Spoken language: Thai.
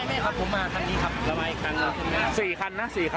ไม่ครับผมมาคันนี้ครับ